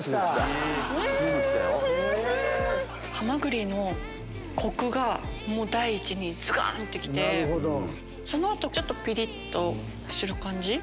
ハマグリのコクが第一にズガンって来てその後ちょっとピリっとする感じ？